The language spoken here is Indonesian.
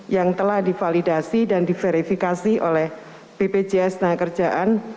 yang telah divalidasi dan diverifikasi oleh bpjs tenaga kerjaan